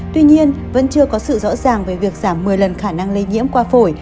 tuy nhiên vẫn chưa có sự rõ ràng về việc giảm một mươi lần khả năng lây nhiễm qua phổi